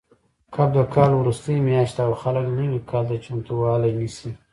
کب د کال وروستۍ میاشت ده او خلک نوي کال ته چمتووالی نیسي.